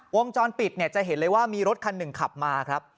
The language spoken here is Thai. วงจรปิดเนี่ยจะเห็นเลยว่ามีรถคันหนึ่งขับมาครับ